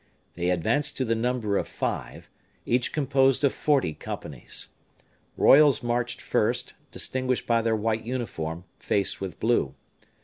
They advanced to the number of five, each composed of forty companies. Royals marched first, distinguished by their white uniform, faced with blue.